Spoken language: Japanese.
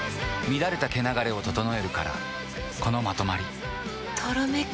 乱れた毛流れを整えるからこのまとまりとろめく。